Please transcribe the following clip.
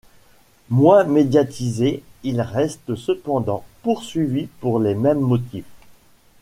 Moins médiatisé, il reste cependant poursuivi pour les mêmes motifs.